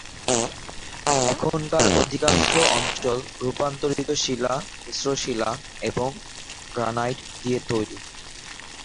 এখানকার অধিকাংশ অঞ্চল রূপান্তরিত শিলা, মিশ্র শিলা এবং গ্রানাইট দিয়ে তৈরী।